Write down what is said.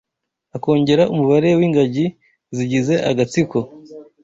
Akongera umubare w’ingagi zigize agatsiko